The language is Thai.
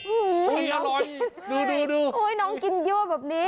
โอ้โหน้องกินดูน้องกินเยอะแบบนี้